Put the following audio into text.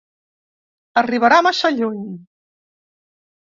Arribarà massa lluny.